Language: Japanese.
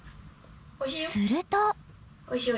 ［すると］